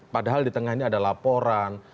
padahal di tengah ini ada laporan